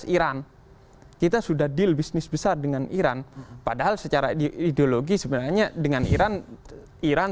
iran kita sudah deal bisnis besar dengan iran padahal secara ideologi sebenarnya dengan iran iran